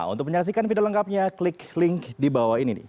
untuk menyaksikan video lengkapnya klik link di bawah ini